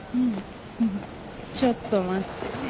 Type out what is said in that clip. ちょっと待ってね。